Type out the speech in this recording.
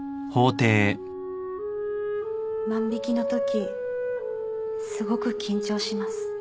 万引のときすごく緊張します。